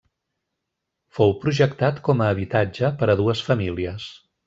Fou projectat com a habitatge per a dues famílies.